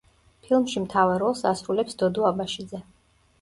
ფილმში მთავარ როლს ასრულებს დოდო აბაშიძე.